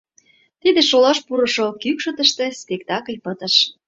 Тиде шолаш пурышо кӱкшытыштӧ спектакль пытыш.